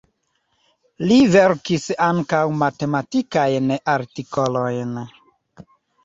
Li verkis ankaŭ matematikajn artikolojn.